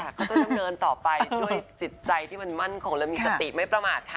ก็ต้องดำเนินต่อไปด้วยจิตใจที่มันมั่นคงและมีสติไม่ประมาทค่ะ